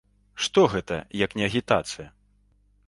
Што гэта, як не агітацыя?